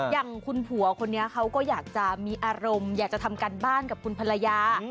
อย่างคุณผัวคนนี้เขาก็อยากจะมีอารมณ์อยากจะทำการบ้านกับคุณภรรยา